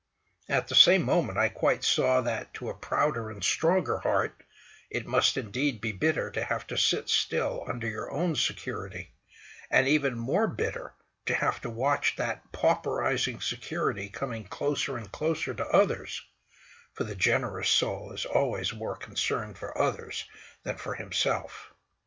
At the same moment I quite saw that to a prouder and stronger heart it must indeed be bitter to have to sit still under your own security, and even more bitter to have to watch that pauperising security coming closer and closer to others—for the generous soul is always more concerned for others than for himself.